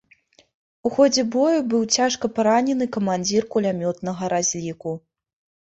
У ходзе бою быў цяжка паранены камандзір кулямётнага разліку.